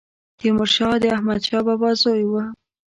تيمورشاه د احمدشاه بابا زوی و